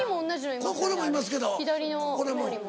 ・これもいますけどこれも。